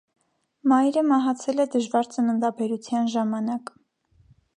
Մայրը մահացել է դժվար ծննդաբերության ժամանակ։